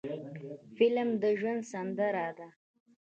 فلم د ژوند سندره ده